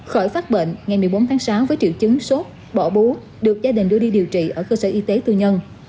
khởi phát bệnh ngày một mươi bốn tháng sáu với triệu chứng sốt bỏ bú được gia đình đưa đi điều trị ở cơ sở y tế tư nhân